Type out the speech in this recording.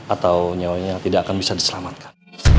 atau nyawanya yang tidak akan bisa diselamatkan